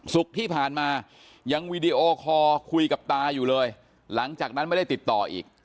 ที่ผ่านมายังวีดีโอคอร์คุยกับตาอยู่เลยหลังจากนั้นไม่ได้ติดต่ออีก